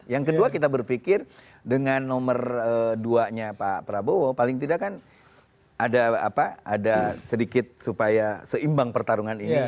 yang kedua kita berpikir dengan nomor dua nya pak prabowo paling tidak kan ada sedikit supaya seimbang pertarungan ini